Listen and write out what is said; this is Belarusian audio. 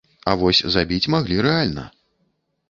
А вось забіць маглі рэальна.